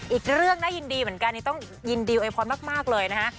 อีกเรื่องน่ายินดีเหมือนกันต้องยินดีโอยพรมากเลยนะฮะ